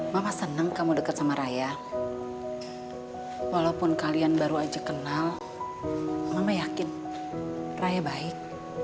mama senang kamu dekat sama raya walaupun kalian baru aja kenal mama yakin raya baik